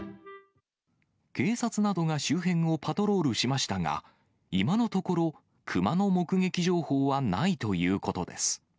警察などが周辺をパトロールしましたが、今のところ、熊の目撃情報はないということです。